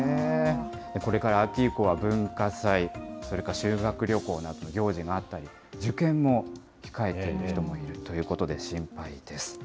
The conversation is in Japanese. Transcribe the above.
これから秋以降は文化祭、それから修学旅行など行事があったり、受験も控えている人もいるということで心配です。